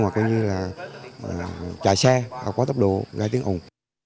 hoặc như là chạy xe có tốc độ gai tiếng ủng